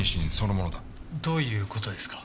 どういう事ですか？